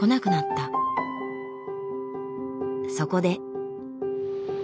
そこで。